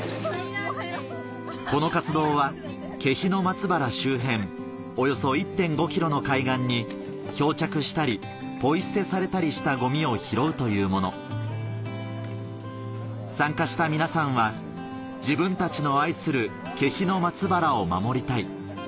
この活動は気比の松原周辺およそ１．５ｋｍの海岸に漂着したりポイ捨てされたりしたゴミを拾うというもの参加した皆さんは「自分たちの愛する気比の松原を守りたい」